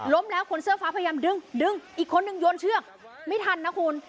แล้วคนเสื้อฟ้าพยายามดึงดึงอีกคนนึงโยนเชือกไม่ทันนะคุณ